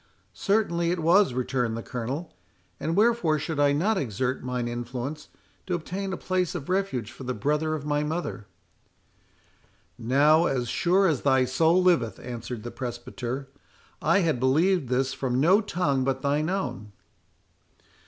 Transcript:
"Certainly it was," returned the Colonel.—"And wherefore should I not exert mine influence to obtain a place of refuge for the brother of my mother?" "Now, as sure as thy soul liveth," answered the presbyter, "I had believed this from no tongue but thine own.